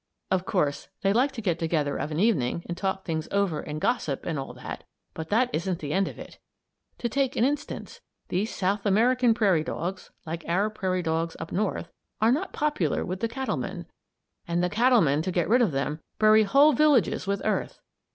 Of course, they like to get together of an evening and talk things over and gossip and all that, but that isn't the end of it. To take an instance: These South American prairie dogs, like our prairie dogs up North, are not popular with the cattlemen; and the cattlemen, to get rid of them, bury whole villages with earth.